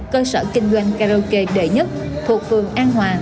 cơ sở kinh doanh karaoke đệ nhất thuộc phường an hòa